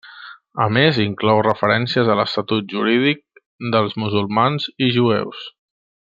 A més inclou referències a l'estatut jurídic dels musulmans i jueus.